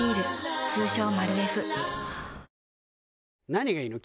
何がいいの？